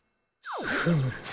フム！